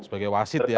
sebagai wasit ya